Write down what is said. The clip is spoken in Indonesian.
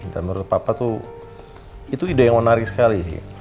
dan menurut papa tuh itu ide yang menarik sekali sih